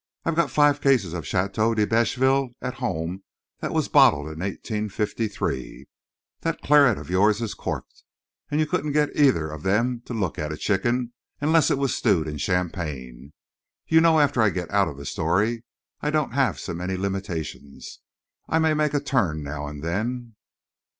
I've got five cases of Château de Beychsvelle at home that was bottled in 1853. That claret of yours is corked. And you couldn't get either of them to look at a chicken unless it was stewed in champagne. You know, after I get out of the story I don't have so many limitations. I make a turn now and then."